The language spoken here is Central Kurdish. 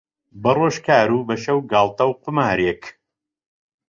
بەڕۆژ کار و بەشەو گاڵتە و قومارێک